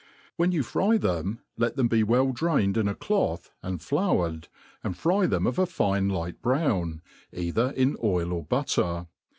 'When i^ou U^ them, let them be well drained in a cloth, and floured, and fry them of a fine light brown, either in oil or butter.